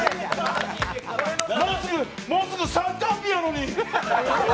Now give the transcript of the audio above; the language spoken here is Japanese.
もうすぐ参観日やのに！